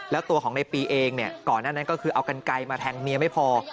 แล้วตัวของในปีเองเนี่ยก่อนหน้านั้นก็คือเอากันไกลมาแทงเมียไม่พอ